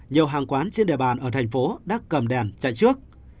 nhiều hàng quán trên địa bàn ở thành phố đã cầm đèn chạy trước